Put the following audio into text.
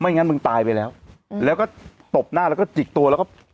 งั้นมึงตายไปแล้วแล้วก็ตบหน้าแล้วก็จิกตัวแล้วก็